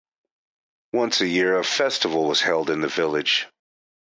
Once a year a festival was held in the village.